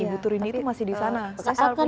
ibu turini itu masih di sana kan